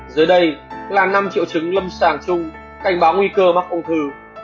dưới đây là năm triệu chứng lâm sàng chung cảnh báo nguy cơ mắc ung thư